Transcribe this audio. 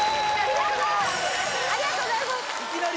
ありがとうございます